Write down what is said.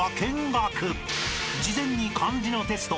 ［事前に漢字のテスト